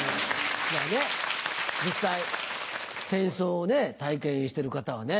実際戦争を体験してる方はね